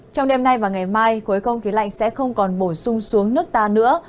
trong đêm nay và ngày mai khối không khí lạnh sẽ không còn bổ sung xuống nước ta nữa